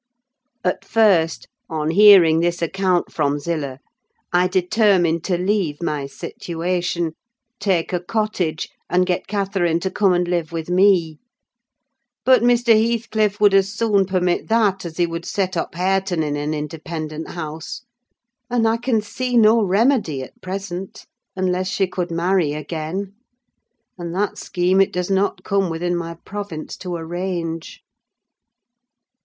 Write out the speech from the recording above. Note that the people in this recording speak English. At first, on hearing this account from Zillah, I determined to leave my situation, take a cottage, and get Catherine to come and live with me: but Mr. Heathcliff would as soon permit that as he would set up Hareton in an independent house; and I can see no remedy, at present, unless she could marry again; and that scheme it does not come within my province to arrange.